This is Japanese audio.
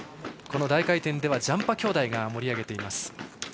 この大回転では、ジャンパ兄弟が盛り上げています。